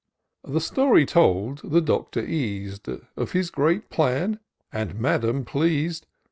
"^ The story told, the Doctor eas'd Of his grand plan, and Madam pleas'd.